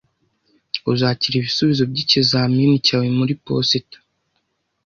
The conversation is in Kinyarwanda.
Uzakira ibisubizo byikizamini cyawe muri posita